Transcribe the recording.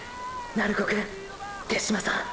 鳴子くん手嶋さん